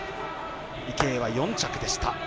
池江は４着でした。